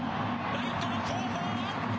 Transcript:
ライトの後方。